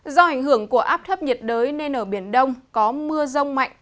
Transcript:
do ảnh hưởng của áp thấp nhiệt đới nên ở biển đông có mưa rông mạnh